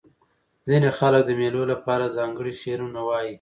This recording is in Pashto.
ځیني خلک د مېلو له پاره ځانګړي شعرونه وايي.